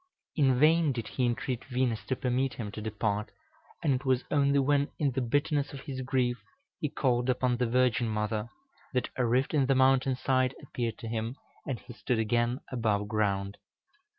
In vain did he entreat Venus to permit him to depart, and it was only when, in the bitterness of his grief, he called upon the Virgin Mother, that a rift in the mountain side appeared to him, and he stood again above ground.